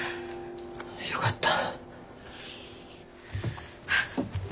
よかった。